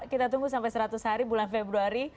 kita tunggu sampai seratus hari bulan februari